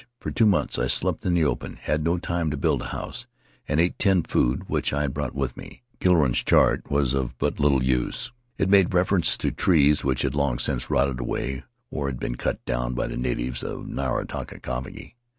For two months I slept in the open — had no time to build a house — and ate tinned food which I had brought with me. Kiliorain's chart w T as of but little use. It made reference to trees which had long since rotted away or had been cut down by the natives of Nukatavake.